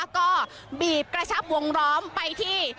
ก็บีบกระชับวงล้อมไปที่